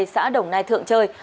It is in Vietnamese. xã đồng nai thượng trời